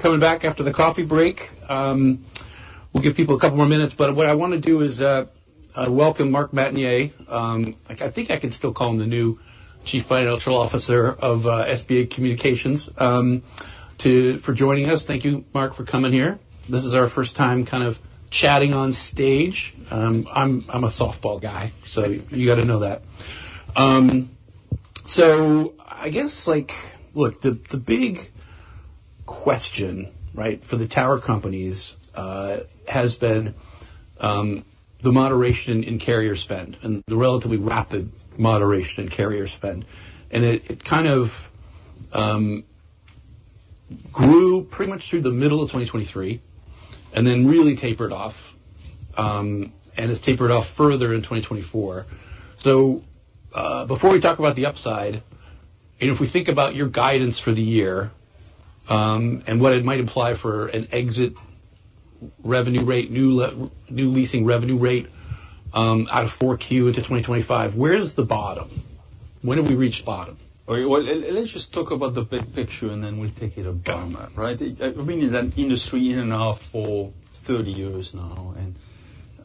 Coming back after the coffee break. We'll give people a couple more minutes, but what I want to do is welcome Marc Montagner, like, I think I can still call him the new Chief Financial Officer of SBA Communications for joining us. Thank you, Marc, for coming here. This is our first time kind of chatting on stage. I'm a softball guy, so you got to know that, so I guess, like, look, the big question, right, for the tower companies, has been the moderation in carrier spend and the relatively rapid moderation in carrier spend, and it kind of grew pretty much through the middle of 2023 and then really tapered off, and it's tapered off further in 2024. Before we talk about the upside, and if we think about your guidance for the year, and what it might imply for an exit revenue rate, new leasing revenue rate, out of 4Q into 2025, where is the bottom? When do we reach bottom? Let's just talk about the big picture, and then we'll take it down, right? I've been in that industry in and out for 30 years now,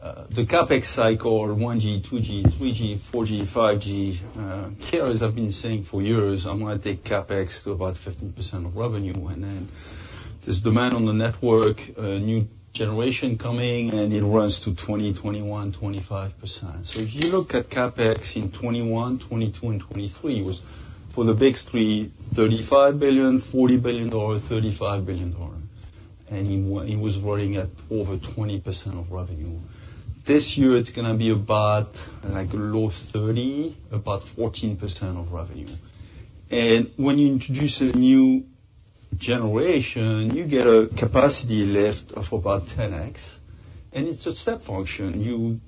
and the CapEx cycle, 1G, 2G, 3G, 4G, 5G, carriers have been saying for years, I'm going to take CapEx to about 15% of revenue, and then there's demand on the network, a new generation coming, and it runs to 20, 21, 25%. So if you look at CapEx in 2021, 2022, and 2023, it was for the big three, $35 billion, $40 billion dollars, $35 billion dollars. And it was running at over 20% of revenue. This year, it's going to be about, like, low 30, about 14% of revenue. And when you introduce a new generation, you get a capacity lift of about 10X, and it's a step function. You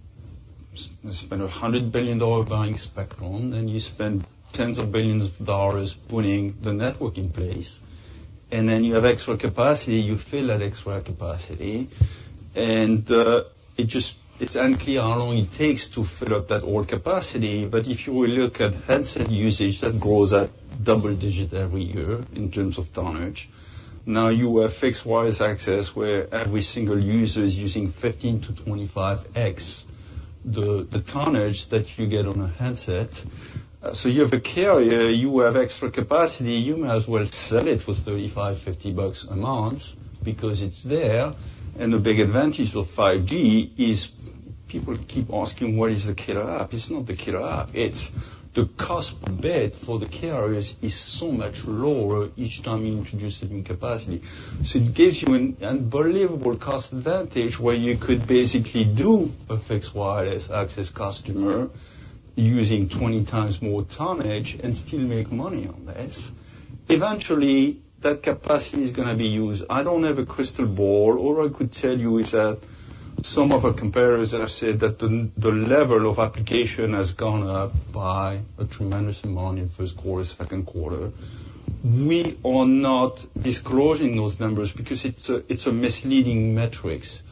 spend $100 billion buying spectrum, and you spend tens of billions of dollars putting the network in place, and then you have extra capacity, you fill that extra capacity, and, it just... It's unclear how long it takes to fill up that all capacity, but if you will look at handset usage, that grows at double digit every year in terms of tonnage. Now, you have fixed wireless access, where every single user is using 15-25X the tonnage that you get on a handset. So you have a carrier, you have extra capacity, you might as well sell it for $35-$50 a month because it's there. And the big advantage of 5G is people keep asking, what is the killer app? It's not the killer app. It's the cost per bit for the carriers is so much lower each time you introduce a new capacity. So it gives you an unbelievable cost advantage, where you could basically do a fixed wireless access customer using 20 times more tonnage and still make money on this. Eventually, that capacity is gonna be used. I don't have a crystal ball. All I could tell you is that some of our competitors have said that the level of application has gone up by a tremendous amount in first quarter, second quarter. We are not disclosing those numbers because it's a misleading metrics.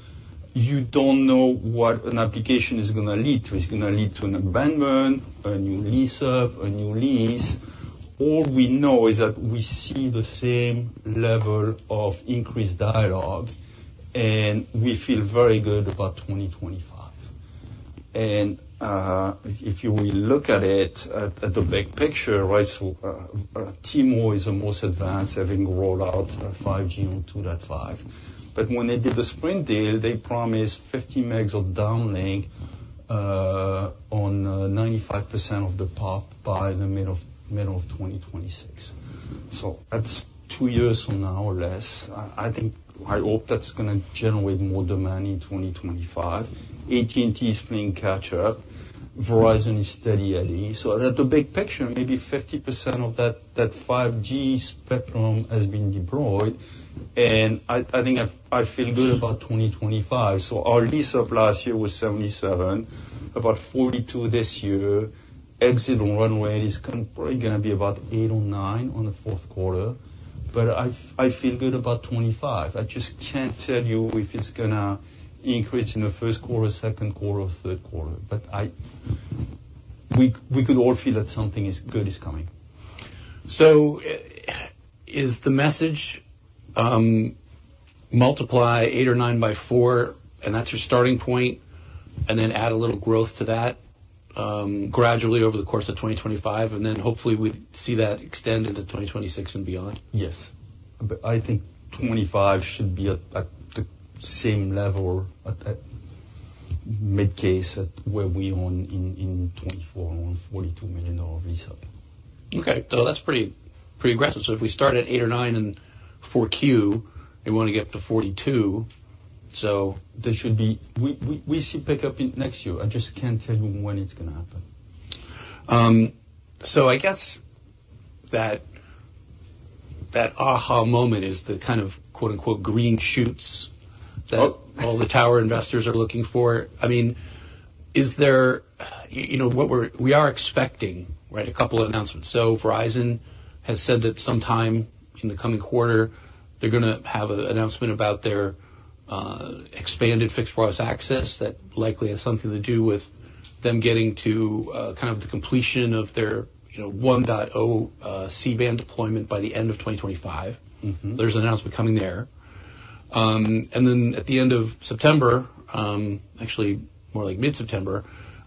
You don't know what an application is gonna lead to. It's gonna lead to an abandonment, a new lease up, a new lease. All we know is that we see the same level of increased dialogue, and we feel very good about 2025, and if you will look at it, at the big picture, right, T-Mobile is the most advanced, having rolled out 5G on 2.5, but when they did the Sprint deal, they promised 50 megs of downlink on 95% of the pop by the middle of 2026, so that's two years from now or less. I think I hope that's gonna generate more demand in 2025. AT&T is playing catch up. Verizon is steady Eddie, so at the big picture, maybe 50% of that 5G spectrum has been deployed, and I think I feel good about 2025, so our lease-up last year was 77, about 42 this year. Exit run rate is probably gonna be about eight or nine on the fourth quarter, but I feel good about twenty-five. I just can't tell you if it's gonna increase in the first quarter, second quarter, or third quarter. But we could all feel that something good is coming. So is the message, multiply eight or nine by four, and that's your starting point, and then add a little growth to that, gradually over the course of 2025, and then hopefully, we see that extend into twenty twenty-six and beyond? Yes. But I think 2025 should be at the same level, at that mid-case, at where we own in 2024, on $42 million dollar lease-up. Okay. So that's pretty, pretty aggressive. So if we start at eight or nine in 4Q, and we want to get up to forty-two, so there should be- We see pick up in next year. I just can't tell you when it's gonna happen. So I guess that aha moment is the kind of quote-unquote, "green shoots" that- Oh. all the tower investors are looking for. I mean, you know, what we're-- we are expecting, right, a couple of announcements. So Verizon has said that sometime in the coming quarter, they're gonna have an announcement about their expanded fixed wireless access that likely has something to do with them getting to, kind of the completion of their, you know, 1.0, C-band deployment by the end of 2025. There's an announcement coming there. And then at the end of September, actually, more like mid-September,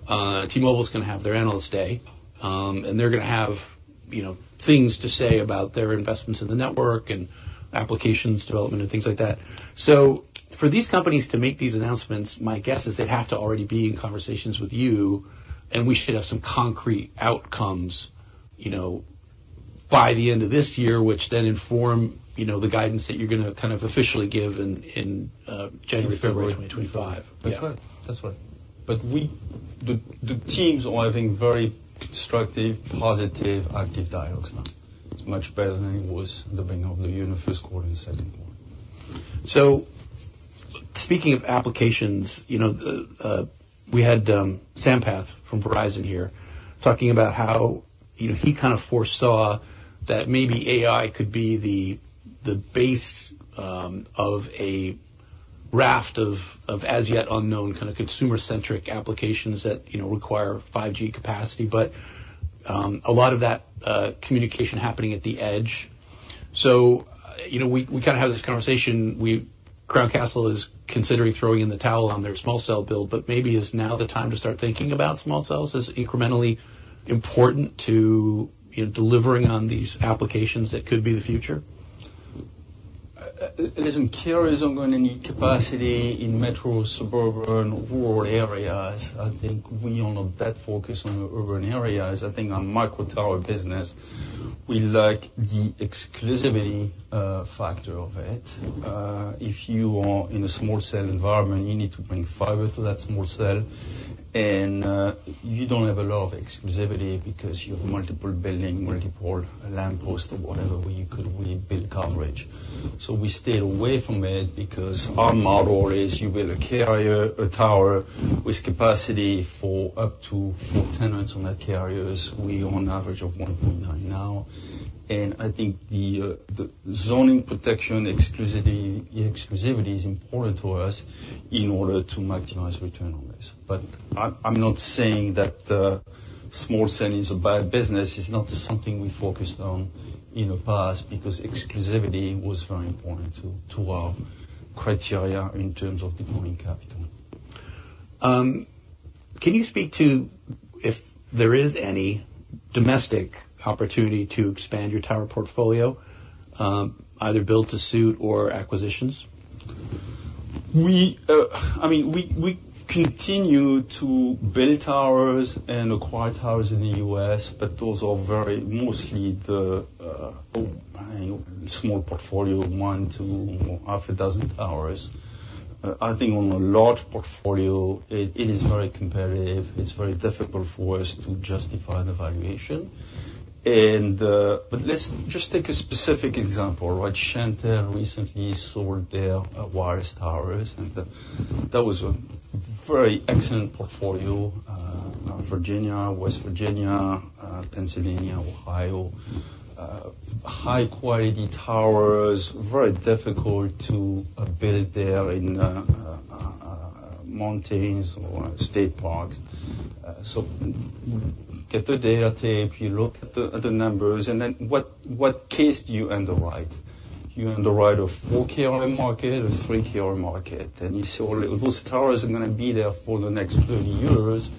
T-Mobile is gonna have their Analyst Day. And they're gonna have, you know, things to say about their investments in the network and applications, development, and things like that. So for these companies to make these announcements, my guess is they'd have to already be in conversations with you, and we should have some concrete outcomes, you know, by the end of this year, which then inform, you know, the guidance that you're gonna kind of officially give in January, February 2025. That's right. That's right. But we, the teams are having very constructive, positive, active dialogues now. It's much better than it was in the beginning of the year, in the first quarter and second quarter. So speaking of applications, you know, we had Sampath from Verizon here talking about how, you know, he kind of foresaw that maybe AI could be the base of a raft of as-yet-unknown kind of consumer-centric applications that, you know, require 5G capacity, but a lot of that communication happening at the edge. So, you know, we kind of have this conversation. Crown Castle is considering throwing in the towel on their small cell build, but maybe is now the time to start thinking about small cells as incrementally important to, you know, delivering on these applications that could be the future? Listen, carriers are going to need capacity in metro, suburban, rural areas. I think we are not that focused on the urban areas. I think our macro tower business, we like the exclusivity, factor of it. If you are in a small cell environment, you need to bring fiber to that small cell, and you don't have a lot of exclusivity because you have multiple buildings, multiple lampposts or whatever, where you could really build coverage. So we stayed away from it because our model is you build a carrier tower with capacity for up to four tenants on that carrier's. We own an average of 1.9 now, and I think the zoning protection, exclusivity is important to us in order to maximize return on this. But I'm not saying that small cell is a bad business. It's not something we focused on in the past because exclusivity was very important to our criteria in terms of deploying capital. Can you speak to, if there is any, domestic opportunity to expand your tower portfolio, either build to suit or acquisitions? I mean, we continue to build towers and acquire towers in the U.S., but those are very mostly the small portfolio, one to half a dozen towers. I think on a large portfolio, it is very competitive. It's very difficult for us to justify the valuation, but let's just take a specific example, right? Shentel recently sold their wireless towers, and that was a very excellent portfolio. Virginia, West Virginia, Pennsylvania, Ohio, high-quality towers very difficult to build there in mountains or state parks, so get the data tape, you look at the numbers, and then what case do you underwrite? Do you underwrite a four carrier market or three carrier market, and you saw those towers are gonna be there for the next thirty years.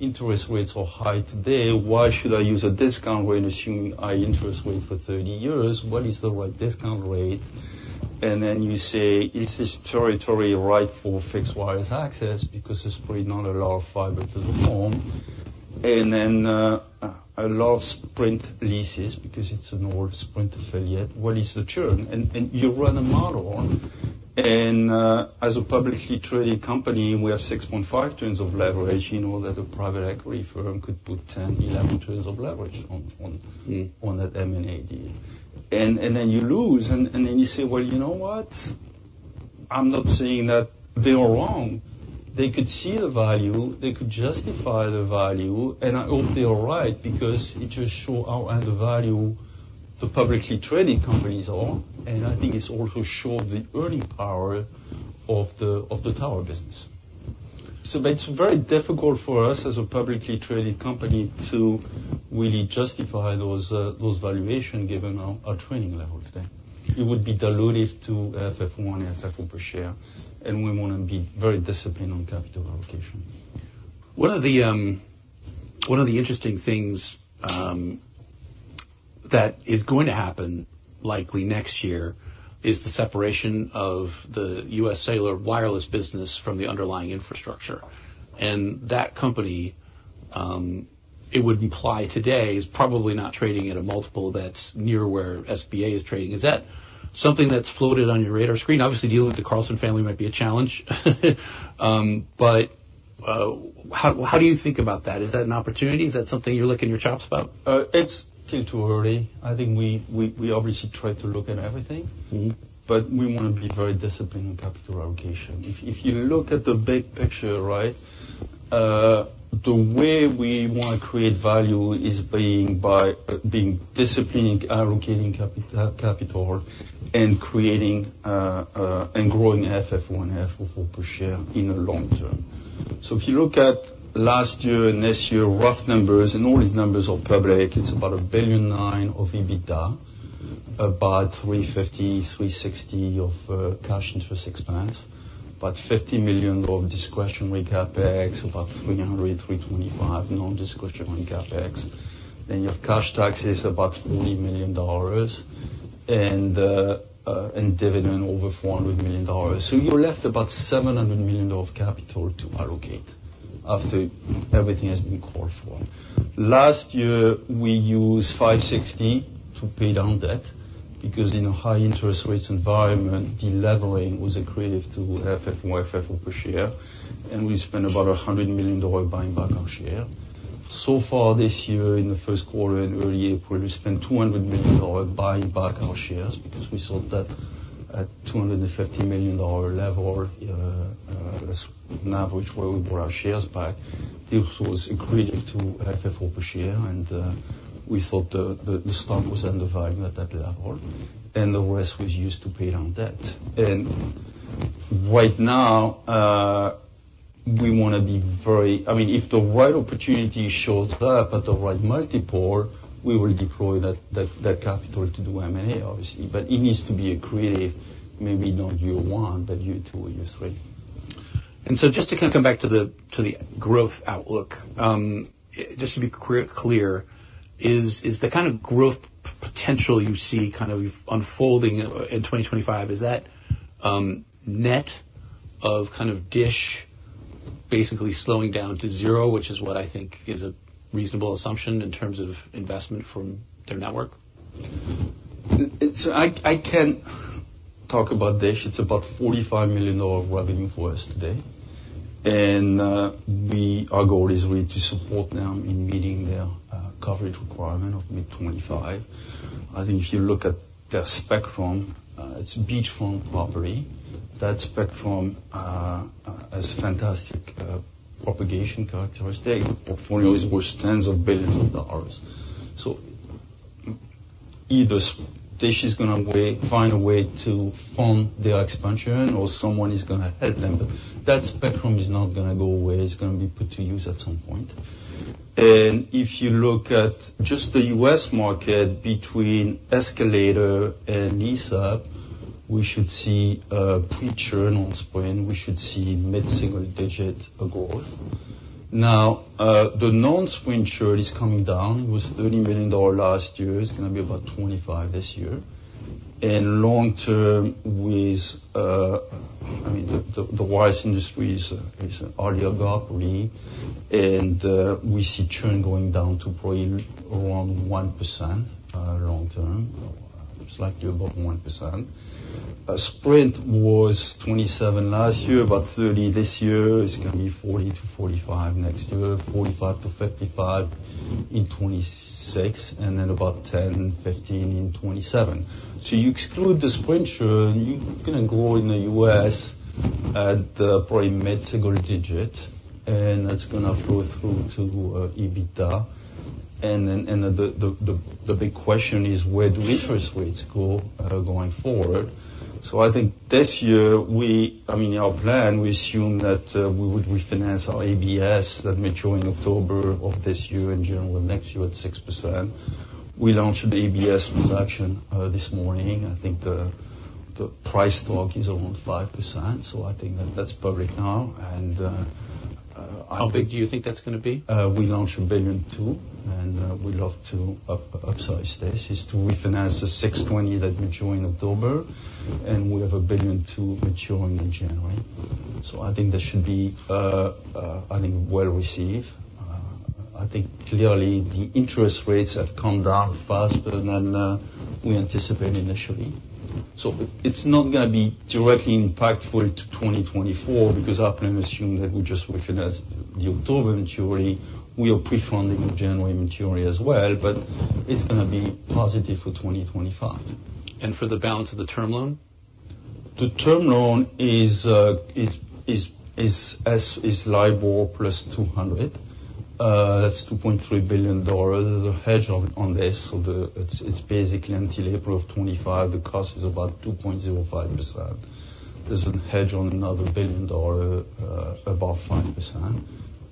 Interest rates are high today. Why should I use a discount rate and assume high interest rate for 30 years? What is the right discount rate? And then you say, is this territory right for fixed wireless access? Because there's probably not a lot of fiber to the home. And then, a lot of Sprint leases, because it's an old Sprint affiliate. What is the churn? And you run a model, and, as a publicly traded company, we have 6.5 turns of leverage. You know, that a private equity firm could put 10, 11 to turns of leverage on, on- On that M&A deal. And then you lose, and then you say, "Well, you know what? I'm not saying that they were wrong." They could see the value, they could justify the value, and I hope they are right, because it just show how undervalue the publicly traded companies are, and I think it's also showed the earning power of the tower business. But it's very difficult for us, as a publicly traded company, to really justify those valuation, given our trading level today. It would be dilutive to FFO and EPS per share, and we want to be very disciplined on capital allocation. One of the interesting things that is going to happen, likely next year, is the separation of the U.S. Cellular wireless business from the underlying infrastructure. That company, it would imply today, is probably not trading at a multiple that's near where SBA is trading. Is that something that's floated on your radar screen? Obviously, dealing with the Carlson family might be a challenge. But how do you think about that? Is that an opportunity? Is that something you're licking your chops about? It's still too early. I think we obviously try to look at everything. But we want to be very disciplined in capital allocation. If you look at the big picture, right, the way we want to create value is by being disciplined in allocating capital and creating and growing AFFO and FFO per share in the long term. So if you look at last year and this year, rough numbers, and all these numbers are public, it's about $1.9 billion of EBITDA, about $350-$360 of cash interest expense, about $50 million of discretionary CapEx, about $300-$325 non-discretionary CapEx. Then your cash tax is about $40 million, and dividend over $400 million. So you're left about $700 million of capital to allocate after everything has been called for. Last year, we used $560 million to pay down debt, because in a high interest rate environment, delevering was accretive to FFO and FFO per share, and we spent about $100 million buying back our share. So far this year, in the first quarter and early April, we spent $200 million buying back our shares, because we thought that at $250 million dollar level, that's an average where we bought our shares back, this was accretive to FFO per share, and we thought the stock was undervalued at that level, and the rest was used to pay down debt. Right now, we want to be very, I mean, if the right opportunity shows up at the right multiple, we will deploy that capital to do M&A, obviously, but it needs to be accretive, maybe not year one, but year two or year three. Just to kind of come back to the growth outlook, just to be clear, is the kind of growth potential you see kind of unfolding in 2025, is that net of kind of Dish basically slowing down to zero, which is what I think is a reasonable assumption in terms of investment from their network? I can talk about Dish. It's about $45 million revenue for us today. Our goal is really to support them in meeting their coverage requirement of mid-2025. I think if you look at their spectrum, it's beachfront property. That spectrum has fantastic propagation characteristic. The portfolio is worth tens of billions of dollars. So either Dish is going to find a way to fund their expansion, or someone is going to help them. That spectrum is not going to go away. It's going to be put to use at some point. If you look at just the U.S. market between escalator and lease-up, we should see a pre-churn on Sprint. We should see mid-single digit growth. Now, the non-Sprint churn is coming down. It was $30 billion last year. It's going to be about 25% this year, and long term, with, I mean, the wireless industry is already up, really, and we see churn going down to probably around 1%, long term. It's likely above 1%. Sprint was 27% last year, about 30% this year. It's going to be 40-45% next year, 45-55% in 2026, and then about 10-15% in 2027. So you exclude the Sprint churn, you're going to grow in the U.S. at, probably mid-single digit, and that's going to flow through to EBITDA. And then, the big question is: Where do interest rates go, going forward? So I think this year, I mean, our plan, we assume that we would refinance our ABS that mature in October of this year and January next year at 6%. We launched the ABS transaction this morning. I think the price talk is around 5%, so I think that that's public now, and I- How big do you think that's going to be? We launched $1.2 billion, and we'd love to upsize this. It's to refinance the $620 million that mature in October, and we have $1.2 billion maturing in January, so I think that should be well-received. I think clearly, the interest rates have come down faster than we anticipated initially, so it's not going to be directly impactful to 2024, because I can assume that we just refinance the October maturity. We are pre-funding the January maturity as well, but it's going to be positive for 2025. For the balance of the term loan? The term loan is LIBOR plus two hundred. That's $2.3 billion. There's a hedge on this, so it's basically until April of 2025, the cost is about 2.05%. There's a hedge on another billion-dollar, about 5%.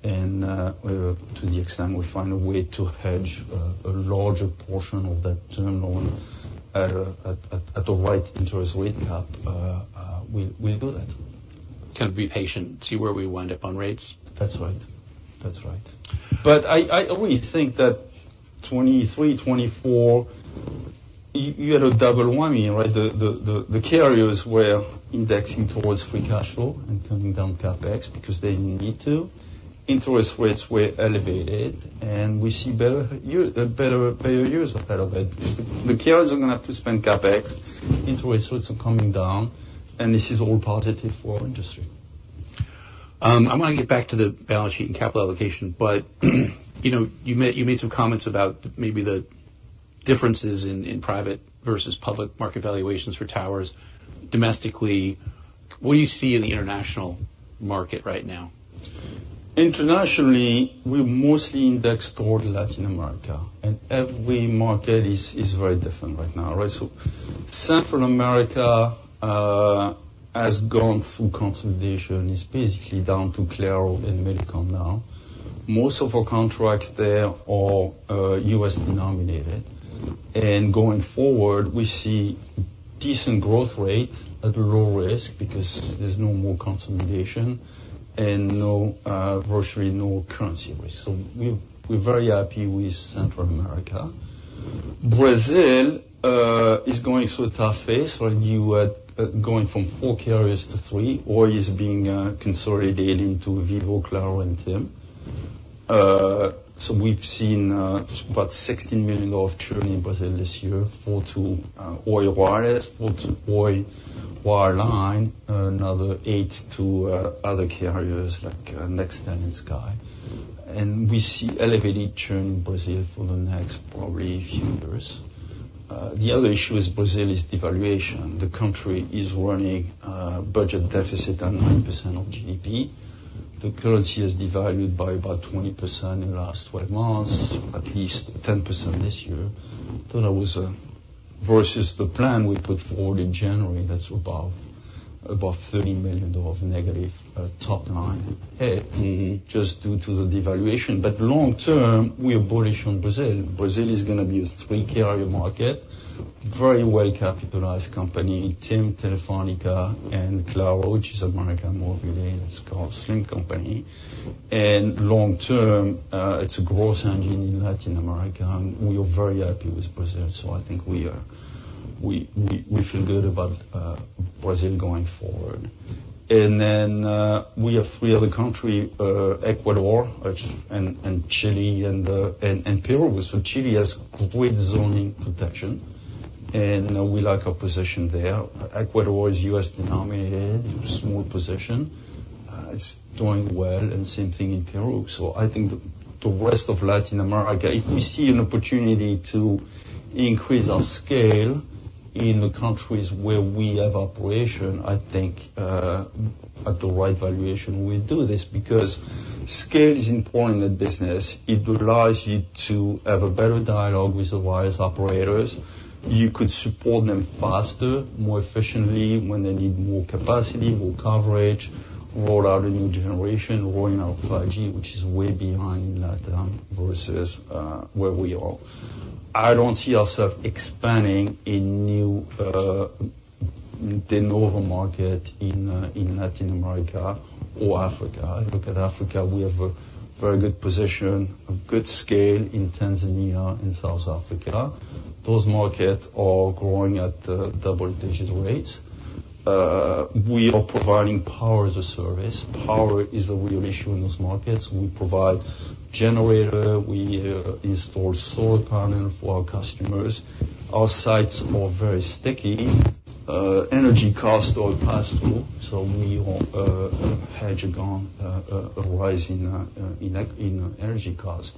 And to the extent we find a way to hedge a larger portion of that term loan at the right interest rate cap, we'll do that. Kind of be patient, see where we wind up on rates? That's right. That's right. But I really think that 2023, 2024, you had a double whammy, right? The carriers were inching towards free cash flow and coming down CapEx because they need to. Interest rates were elevated, and we see better days ahead. The carriers are going to have to spend CapEx, interest rates are coming down, and this is all positive for our industry. I want to get back to the balance sheet and capital allocation, but, you know, you made some comments about maybe the differences in private versus public market valuations for towers domestically. What do you see in the international market right now? Internationally, we're mostly indexed toward Latin America, and every market is very different right now, right? Central America has gone through consolidation, is basically down to Claro and Millicom now. Most of our contracts there are U.S. denominated, and going forward, we see decent growth rate at low risk because there's no more consolidation and no, virtually no currency risk. So we're very happy with Central America. Brazil is going through a tough phase, where you are going from four carriers to three, or is being consolidated into Vivo, Claro, and TIM. So we've seen about 16 million of churn in Brazil this year, fall to Oi Wireless, fall to Oi Wireline, another 8 to other carriers like Nextel and Sky, and we see elevated churn in Brazil for the next probably few years. The other issue with Brazil is devaluation. The country is running budget deficit at 9% of GDP. The currency is devalued by about 20% in the last twelve months, at least 10% this year. So that was versus the plan we put forward in January, that's about above $30 million negative top line, just due to the devaluation. Long term, we are bullish on Brazil. Brazil is going to be a three-carrier market, very well-capitalized company, TIM, Telefónica, and Claro, which is América Móvil, it's called Slim's company. Long term, it's a growth engine in Latin America, and we are very happy with Brazil, so I think we feel good about Brazil going forward. Then we have three other countries, Ecuador, Chile, and Peru. So Chile has great zoning protection, and, we like our position there. Ecuador is U.S. denominated, small position. It's doing well, and same thing in Peru. So I think the rest of Latin America, if we see an opportunity to increase our scale in the countries where we have operations, I think, at the right valuation, we do this because scale is important in business. It allows you to have a better dialogue with the wireless operators. You could support them faster, more efficiently when they need more capacity, more coverage, roll out a new generation, rolling out 5G, which is way behind Latin versus, where we are. I don't see ourselves expanding in new, de novo market in Latin America or Africa. If you look at Africa, we have a very good position, a good scale in Tanzania and South Africa. Those markets are growing at double-digit rates. We are providing power as a service. Power is a real issue in those markets. We provide generator, we install solar panel for our customers. Our sites are very sticky. Energy costs are passed through, so we are hedge on a rise in energy costs,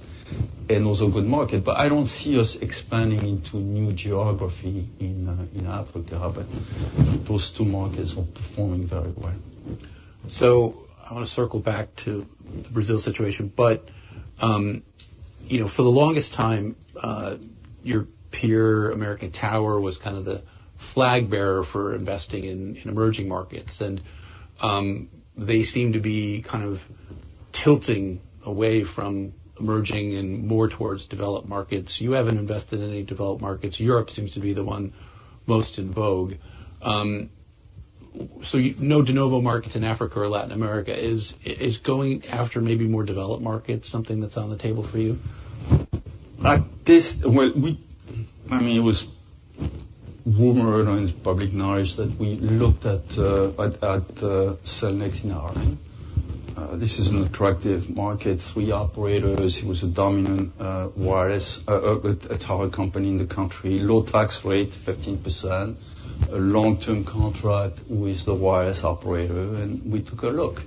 and also good market. But I don't see us expanding into new geography in Africa, but those two markets are performing very well. So I want to circle back to the Brazil situation. But, you know, for the longest time, your peer, American Tower, was kind of the flag bearer for investing in emerging markets. And, they seem to be kind of tilting away from emerging and more towards developed markets. You haven't invested in any developed markets. Europe seems to be the one most in vogue. So no de novo markets in Africa or Latin America. Is going after maybe more developed markets, something that's on the table for you? At this, well, we—I mean, it was rumored and it's public knowledge that we looked at Cellnex in Ireland. This is an attractive market. Three operators. It was a dominant wireless tower company in the country, low tax rate, 15%, a long-term contract with the wireless operator, and we took a look.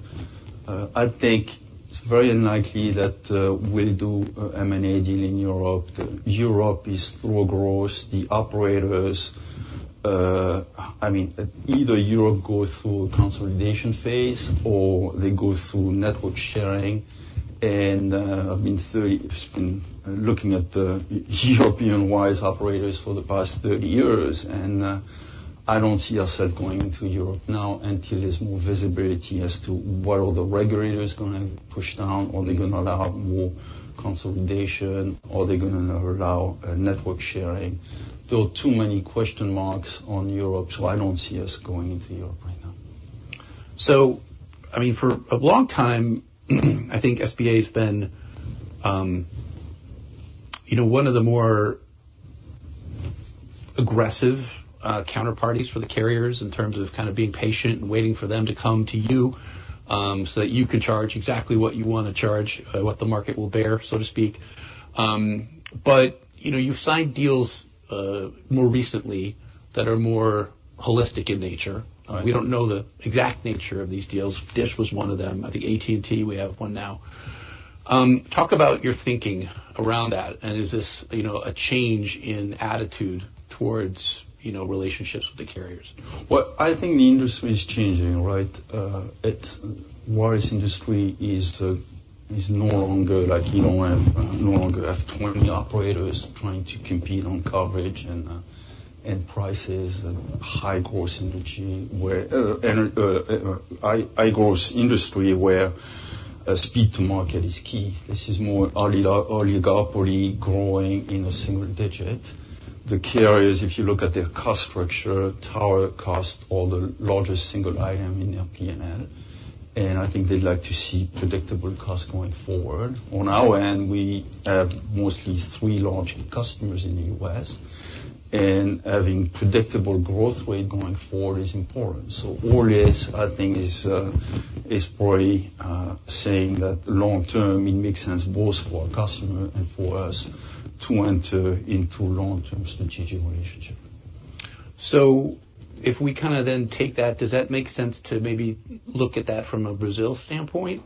I think it's very unlikely that we'll do a M&A deal in Europe. Europe is ex-growth. The operators, I mean, either Europe go through a consolidation phase or they go through network sharing. I've been looking at the European wireless operators for the past thirty years, and I don't see ourself going into Europe now until there's more visibility as to what are the regulators gonna push down, or they're gonna allow more consolidation, or they're gonna allow network sharing. There are too many question marks on Europe, so I don't see us going into Europe right now. So, I mean, for a long time, I think SBA has been, you know, one of the more aggressive, counterparties for the carriers in terms of kind of being patient and waiting for them to come to you, so that you can charge exactly what you want to charge, what the market will bear, so to speak. But, you know, you've signed deals, more recently that are more holistic in nature. Uh, yes. We don't know the exact nature of these deals. Dish was one of them. I think AT&T, we have one now. Talk about your thinking around that, and is this, you know, a change in attitude towards, you know, relationships with the carriers? I think the industry is changing, right? It's the wireless industry. It's no longer like you don't have twenty operators trying to compete on coverage and prices and high-growth energy where speed to market is key. This is more oligopoly growing in a single digit. The carrier is, if you look at their cost structure, tower cost are the largest single item in their P&L, and I think they'd like to see predictable costs going forward. On our end, we have mostly three large customers in the U.S., and having predictable growth rate going forward is important. All this, I think, is probably saying that long term it makes sense, both for our customer and for us, to enter into long-term strategic relationship. So if we kind of then take that, does that make sense to maybe look at that from a Brazil standpoint,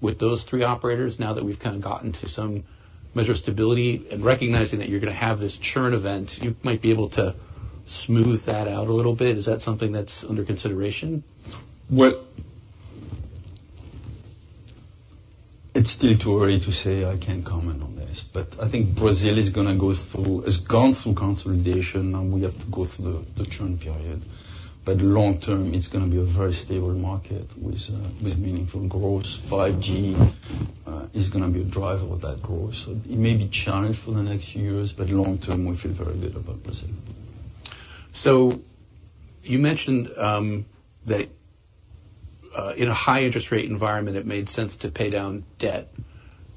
with those three operators, now that we've kind of gotten to some measure of stability and recognizing that you're gonna have this churn event, you might be able to smooth that out a little bit? Is that something that's under consideration? It's still too early to say. I can't comment on this, but I think Brazil is gonna go through, has gone through consolidation, now we have to go through the churn period. But long term, it's gonna be a very stable market with meaningful growth. 5G is gonna be a driver of that growth. So it may be challenged for the next few years, but long term, we feel very good about Brazil. So you mentioned that in a high interest rate environment, it made sense to pay down debt.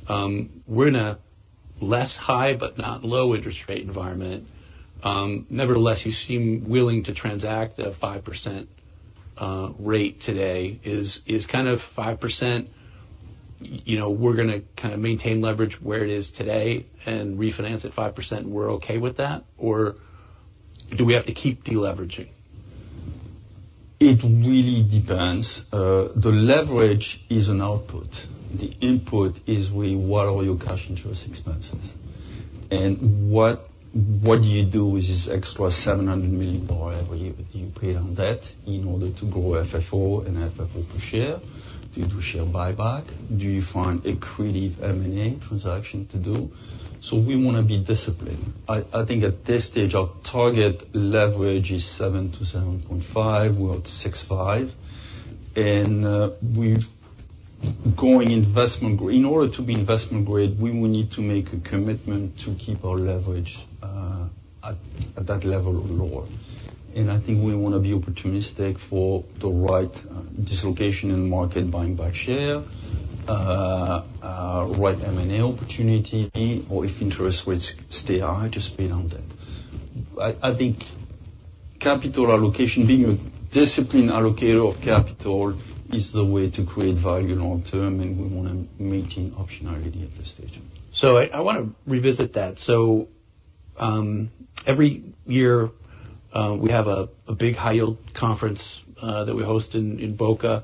We're in a less high, but not low interest rate environment. Nevertheless, you seem willing to transact at 5% rate today. Is kind of 5%, you know, we're gonna kind of maintain leverage where it is today and refinance at 5%, and we're okay with that? Or do we have to keep deleveraging? It really depends. The leverage is an output. The input is really what are your cash interest expenses? And what do you do with this extra $700 million every year? Do you pay down debt in order to grow FFO and FFO per share? Do you do share buyback? Do you find accretive M&A transaction to do? So we want to be disciplined. I think at this stage, our target leverage is 7-7.5, we're at 6.5, and we're going investment-grade in order to be investment grade, we will need to make a commitment to keep our leverage at that level or lower, and I think we want to be opportunistic for the right dislocation in the market, buying back share, right M&A opportunity, or if interest rates stay high, just pay down debt. I think capital allocation, being a disciplined allocator of capital is the way to create value long term, and we want to maintain optionality at this stage. So I want to revisit that. So every year we have a big high yield conference that we host in Boca.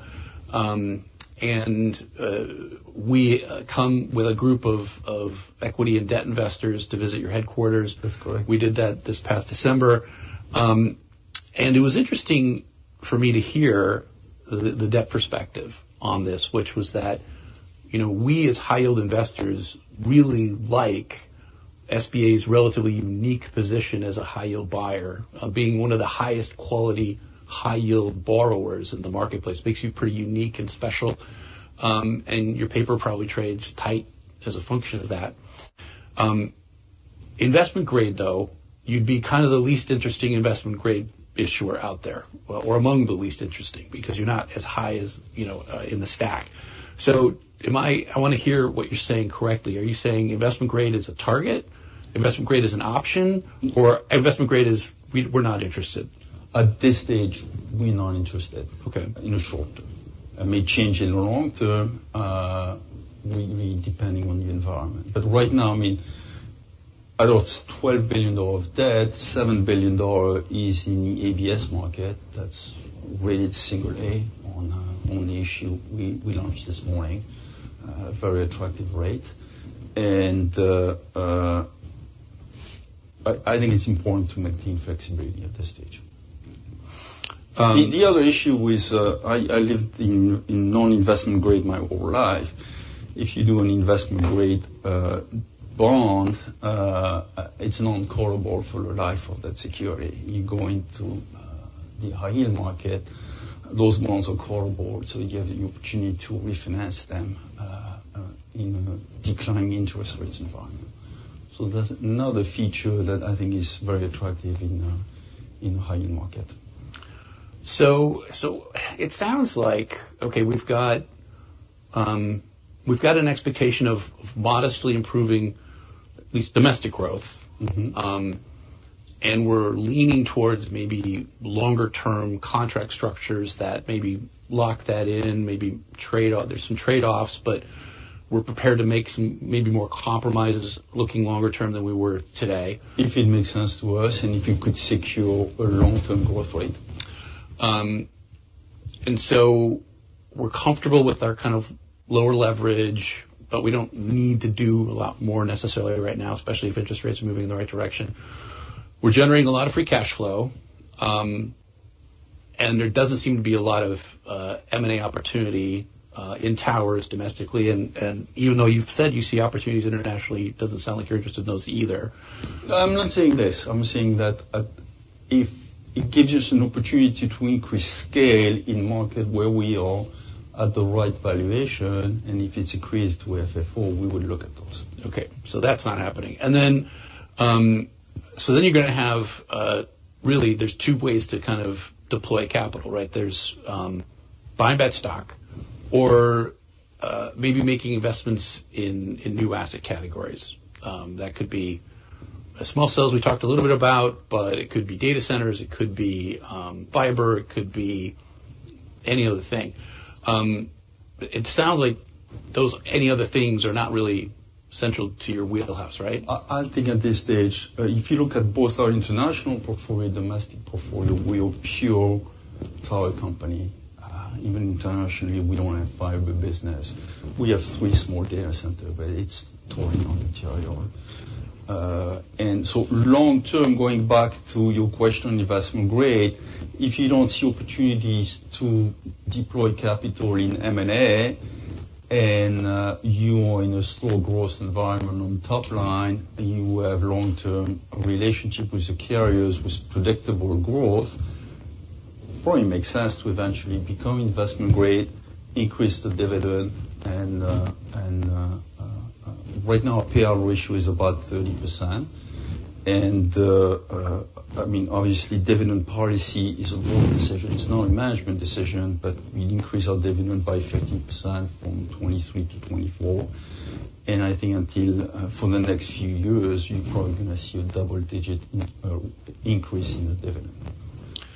And we come with a group of equity and debt investors to visit your headquarters. That's correct. We did that this past December, and it was interesting for me to hear the debt perspective on this, which was that, you know, we, as high yield investors, really like SBA's relatively unique position as a high yield buyer. Being one of the highest quality, high yield borrowers in the marketplace makes you pretty unique and special, and your paper probably trades tight as a function of that. Investment grade, though, you'd be kind of the least interesting investment grade issuer out there, or among the least interesting, because you're not as high as, you know, in the stack. So I want to hear what you're saying correctly. Are you saying investment grade is a target, investment grade is an option, or investment grade is we, we're not interested? At this stage, we're not interested- Okay. in the short term. It may change in the long term, really depending on the environment. But right now, I mean, out of $12 billion of debt, $7 billion is in the ABS market. That's rated single A on the issue we launched this morning, very attractive rate. And I think it's important to maintain flexibility at this stage. The other issue with. I lived in non-investment grade my whole life. If you do an investment grade bond, it's non-callable for the life of that security. You go into the high-yield market, those bonds are callable, so you have the opportunity to refinance them in a declining interest rates environment. So that's another feature that I think is very attractive in high-yield market. So it sounds like, okay, we've got an expectation of modestly improving at least domestic growth. And we're leaning towards maybe longer-term contract structures that maybe lock that in, maybe trade-off. There's some trade-offs, but we're prepared to make some maybe more compromises looking longer term than we were today. If it makes sense to us, and if you could secure a long-term growth rate. And so we're comfortable with our kind of lower leverage, but we don't need to do a lot more necessarily right now, especially if interest rates are moving in the right direction. We're generating a lot of free cash flow. And there doesn't seem to be a lot of M&A opportunity in towers domestically. And even though you've said you see opportunities internationally, it doesn't sound like you're interested in those either. I'm not saying this. I'm saying that, if it gives us an opportunity to increase scale in market where we are at the right valuation, and if it's increased to FFO, we would look at those. Okay, so that's not happening, and then, so then you're gonna have, really, there's two ways to kind of deploy capital, right? There's, buying back stock or, maybe making investments in new asset categories. That could be a small cells we talked a little bit about, but it could be data centers, it could be, fiber, it could be any other thing. It sounds like those, any other things, are not really central to your wheelhouse, right? I think at this stage, if you look at both our international portfolio, domestic portfolio, we're a pure tower company. Even internationally, we don't have fiber business. We have three small data center, but it's totally non-material. And so long term, going back to your question, investment grade, if you don't see opportunities to deploy capital in M&A, and you are in a slow growth environment on top line, and you have long-term relationship with the carriers with predictable growth, probably makes sense to eventually become investment grade, increase the dividend, and right now, our payout ratio is about 30%. I mean, obviously, dividend policy is a board decision. It's not a management decision, but we increase our dividend by 15% from 2023 to 2024. I think until for the next few years, you're probably gonna see a double-digit increase in the dividend.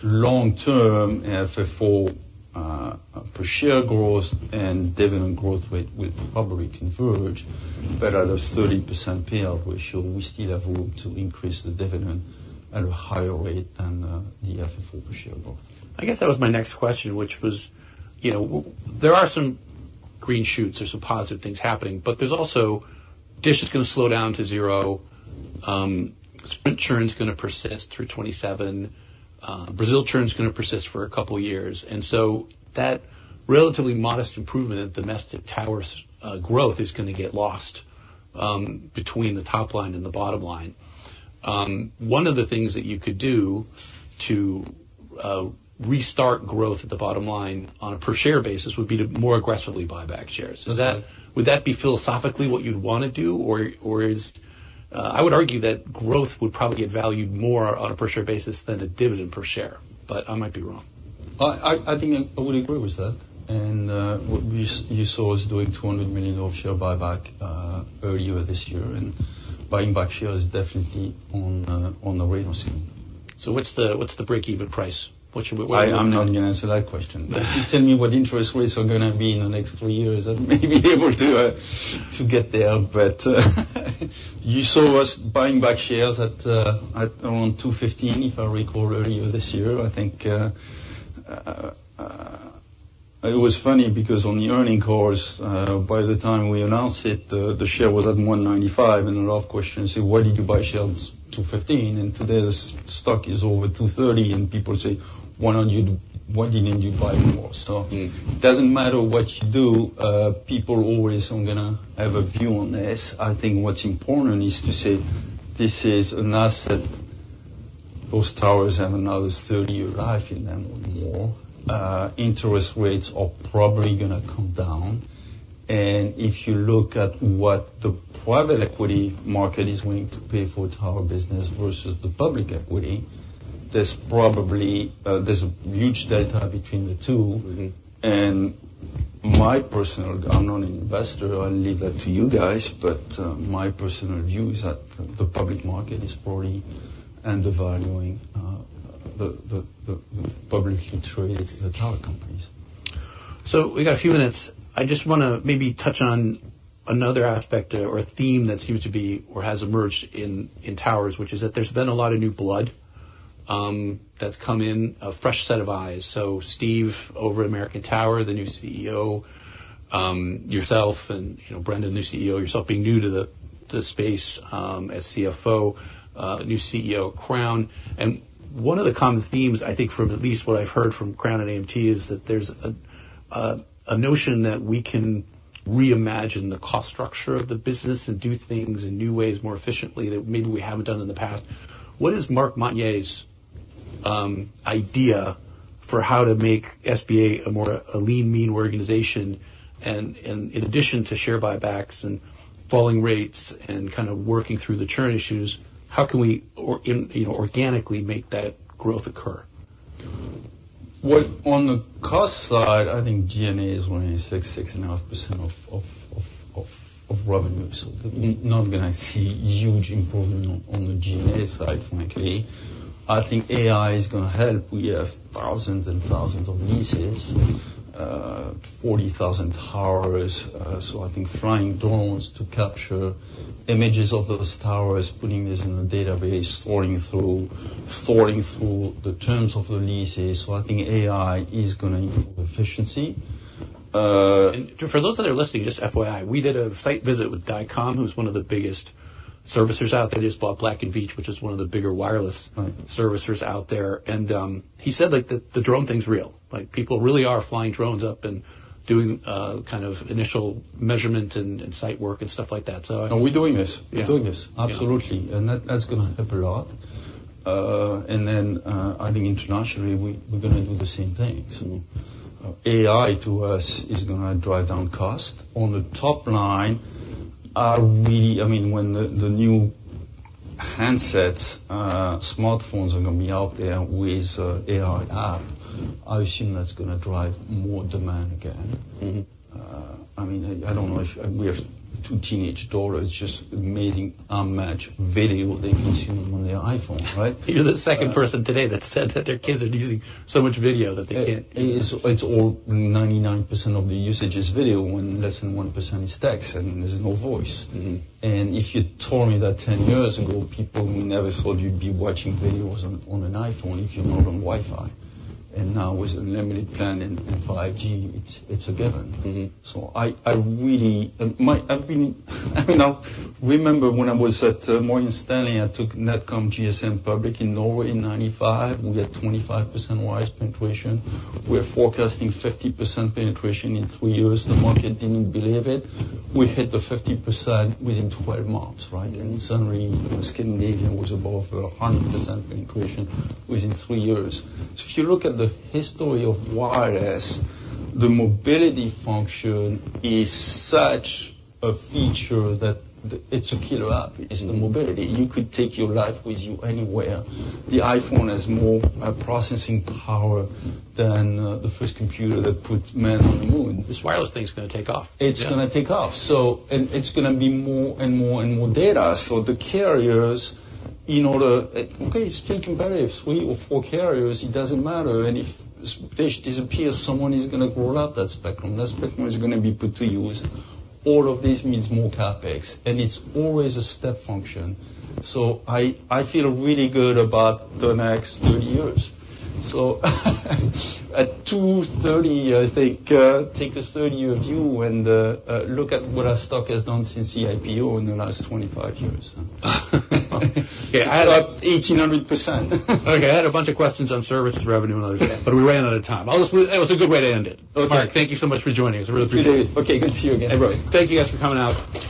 Long-term, FFO per share growth and dividend growth rate will probably converge, but at a 30% payout ratio, we still have room to increase the dividend at a higher rate than the FFO per share growth. I guess that was my next question, which was, you know, there are some green shoots, there's some positive things happening, but there's also, Dish is gonna slow down to zero, Sprint churn is gonna persist through 2027, Brazil churn is gonna persist for a couple of years. And so that relatively modest improvement in domestic towers, growth is gonna get lost, between the top line and the bottom line. One of the things that you could do to, restart growth at the bottom line on a per share basis would be to more aggressively buy back shares. Would that be philosophically what you'd want to do, or I would argue that growth would probably get valued more on a per share basis than a dividend per share, but I might be wrong. I think I would agree with that. And what you saw us doing $200 million of share buyback earlier this year, and buying back shares is definitely on the radar screen. So what's the break-even price? What should we- I, I'm not gonna answer that question. But if you tell me what interest rates are gonna be in the next three years, I may be able to to get there. But, you saw us buying back shares at at around $215, if I recall, earlier this year. I think, it was funny because on the earnings calls, by the time we announced it, the share was at $195, and a lot of questions say, "Why did you buy shares $215?" And today, the stock is over $230, and people say, "Why don't you, why didn't you buy more?" So- It doesn't matter what you do, people always are gonna have a view on this. I think what's important is to say this is an asset, those towers have another thirty-year life in them or more. Interest rates are probably gonna come down. And if you look at what the private equity market is willing to pay for tower business versus the public equity, there's probably a huge delta between the two. I'm not an investor. I'll leave that to you guys, but my personal view is that the public market is probably undervaluing the publicly traded tower companies. So we got a few minutes. I just wanna maybe touch on another aspect or a theme that seems to be or has emerged in towers, which is that there's been a lot of new blood that's come in, a fresh set of eyes. So Steve, over at American Tower, the new CEO, yourself and, you know, Brendan, new CEO, yourself being new to the space, as CFO, new CEO of Crown. And one of the common themes, I think, from at least what I've heard from Crown and AMT, is that there's a notion that we can reimagine the cost structure of the business and do things in new ways, more efficiently, that maybe we haven't done in the past. What is Marc Montagner's idea for how to make SBA a more lean, mean organization? And in addition to share buybacks and falling rates and kind of working through the churn issues, how can we, you know, organically make that growth occur? On the cost side, I think G&A is only 6-6.5% of revenue. So we're not gonna see huge improvement on the G&A side, frankly. I think AI is gonna help. We have thousands and thousands of leases, 40,000 towers. So I think flying drones to capture images of those towers, putting this in a database, sorting through the terms of the leases. So I think AI is gonna improve efficiency. For those that are listening, just FYI, we did a site visit with Dycom, who's one of the biggest servicers out there, just bought Black & Veatch, which is one of the bigger wireless- Right. -servicers out there. And, he said, like, the drone thing's real. Like, people really are flying drones up and doing kind of initial measurement and site work and stuff like that, so- We're doing this. Yeah. We're doing this, absolutely. Yeah. And that, that's gonna help a lot. And then, I think internationally, we're gonna do the same thing. So AI, to us, is gonna drive down cost. On the top line, are we... I mean, when the new handsets, smartphones are going to be out there with AR app. I assume that's going to drive more demand again. I mean, I don't know if we have two teenage daughters, just amazing, unmatched video they consume on their iPhone, right? You're the second person today that said that their kids are using so much video that they can't- It's all 99% of the usage is video, when less than 1% is text, and there's no voice. And if you told me that ten years ago, people, we never thought you'd be watching videos on an iPhone- If you're not on Wi-Fi, and now, with unlimited plan and 5G, it's a given. I've been, I mean, I remember when I was at Morgan Stanley. I took NetCom GSM public in Norway in 1995. We had 25% wireless penetration. We're forecasting 50% penetration in three years. The market didn't believe it. We hit the 50% within twelve months, right? And suddenly, Scandinavia was above 100% penetration within three years. If you look at the history of wireless, the mobility function is such a feature that it's a killer app, is the mobility. You could take your life with you anywhere. The iPhone has more processing power than the first computer that put man on the moon. This wireless thing is going to take off. It's going to take off. Yeah. So and it's going to be more and more and more data. So the carriers, it's still competitive, three or four carriers, it doesn't matter, and if they disappear, someone is going to roll out that spectrum. That spectrum is going to be put to use. All of this means more CapEx, and it's always a step function. So I feel really good about the next 30 years. So at 2:30, I think, take a 30-year view and look at what our stock has done since the IPO in the last 25 years. Yeah, I had a- Up 1800%. Okay, I had a bunch of questions on services, revenue, and other things- Yeah. But we ran out of time. Honestly, it was a good way to end it. Okay. Marc, thank you so much for joining us. I really appreciate it. Okay, good to see you again. Thank you guys for coming out.